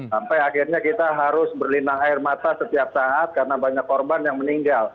sampai akhirnya kita harus berlinang air mata setiap saat karena banyak korban yang meninggal